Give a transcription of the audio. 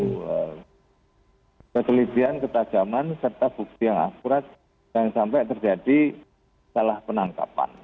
hai berkelipian ketajaman serta bukti yang akurat dan sampai terjadi salah penangkapan